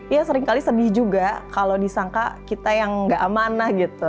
ya seringkali sedih juga kalau disangka kita yang nggak amanah gitu